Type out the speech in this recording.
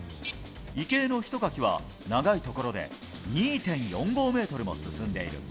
池江のひとかきは、長いところで２．４５ｍも進んでいる。